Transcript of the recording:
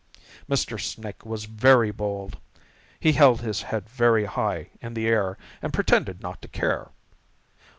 Mr. Snake was very bold. He held his head very high in the air and pretended not to care.